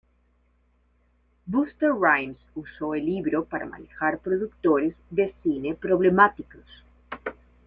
Busta Rhymes usó el libro para manejar productores de cine problemáticos.